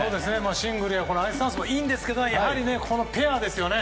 シングルやアイスダンスもいいんですけどやはりこのペアですよね。